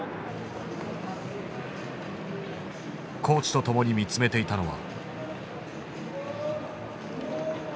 コーチと共に見つめていたのは。